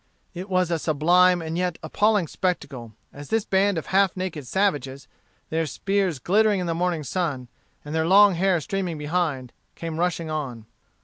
It was a sublime and yet an appalling spectacle, as this band of half naked savages, their spears glittering in the morning sun, and their long hair streaming behind, came rushing on.